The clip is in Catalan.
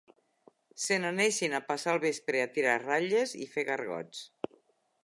Se'n anessin a passar el vespre a tirar ratlles i fer gargots